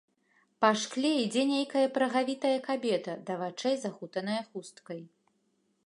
Па шкле ідзе нейкая прагавітая кабета, да вачэй захутаная хусткай.